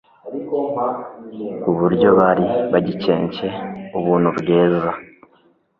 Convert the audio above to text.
ku buryo bari bagikencye ubuntu bweza.